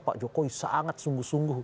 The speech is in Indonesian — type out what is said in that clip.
pak jokowi sangat sungguh sungguh